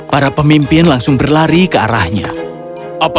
para pemimpin langsung berlari ke pohon kehidupan